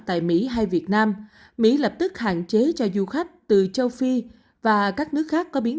tại mỹ hay việt nam mỹ lập tức hạn chế cho du khách từ châu phi và các nước khác có biến